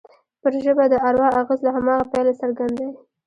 پر ژبه د اروا اغېز له هماغه پیله څرګند دی